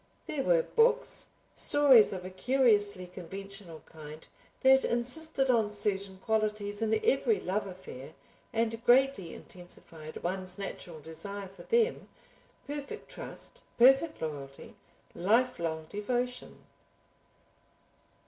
There were books, stories of a curiously conventional kind that insisted on certain qualities in every love affair and greatly intensified one's natural desire for them, perfect trust, perfect loyalty, lifelong devotion.